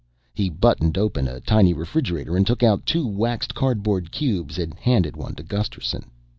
He buttoned open a tiny refrigerator and took out two waxed cardboard cubes and handed one to Gusterson.